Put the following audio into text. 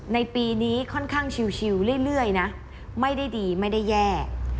ในปีนี้ค่อนข้างชิวเรื่อยนะไม่ได้ดีไม่ได้แย่